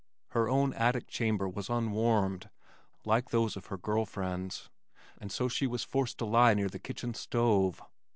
Her own attic chamber was unwarmed (like those of all her girl friends), and so she was forced to lie near the kitchen stove.